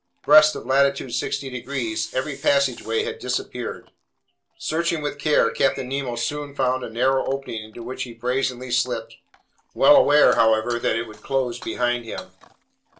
Abreast of latitude 60 degrees, every passageway had disappeared. Searching with care, Captain Nemo soon found a narrow opening into which he brazenly slipped, well aware, however, that it would close behind him.